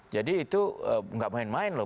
jadi itu gak main main loh